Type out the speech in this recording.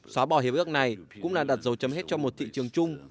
xóa bỏ hiệp ước này cũng là đặt dấu chấm hết cho một thị trường chung